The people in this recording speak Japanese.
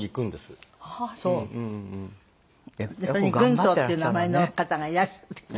「軍曹」っていう名前の方がいらっしゃって。